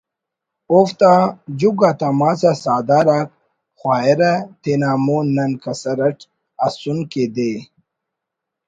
اوفتا جھگ آتا ماس آ ساہدارک خوائرہ تینا مون نن کسر اٹ ئسن کہ دے